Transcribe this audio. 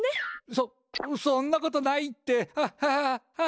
そそんなことないってハハハハハハハハ！